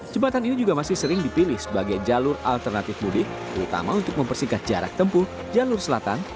jembatan ini juga masih sering dipilih sebagai jalur alternatif mudik terutama untuk mempersingkat jarak tempuh jalur selatan